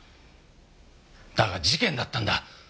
だが事件だったんだ。